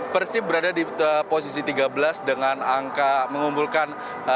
persib berada di posisi tiga belas dengan angka mengumpulkan